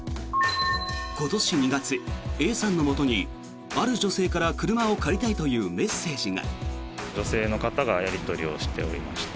今年２月、Ａさんのもとにある女性から車を借りたいというメッセージが。